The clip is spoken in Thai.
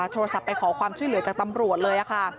โทรศัพท์ไปขอความช่วยเหลือจากตำรวจเลยค่ะ